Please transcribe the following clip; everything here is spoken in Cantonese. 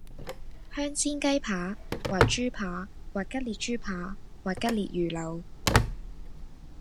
香煎雞扒或豬扒或吉列豬扒或吉列魚柳